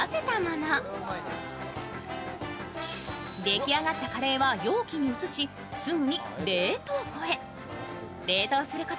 出来上がったカレーは容器に移しすぐに冷凍庫へ。